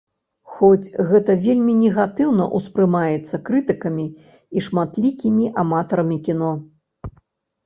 Хоць гэта вельмі негатыўна ўспрымаецца крытыкамі і шматлікімі аматарамі кіно.